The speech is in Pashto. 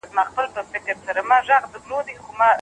د ابن خلدون نظر تر اروپايانو مخکي و.